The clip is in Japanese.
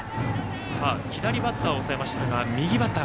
左バッターを抑えましたが右バッター